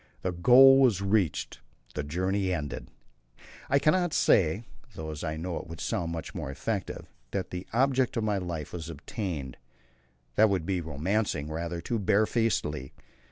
The goal was reached, the journey ended. I cannot say though I know it would sound much more effective that the object of my life was attained. That would be romancing rather too bare facedly.